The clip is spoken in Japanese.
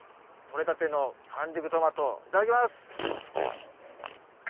採れたての完熟トマトいただきます！